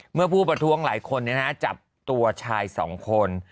เมื่อผู้ประท้วงหลายคนจับตัวชายสองคน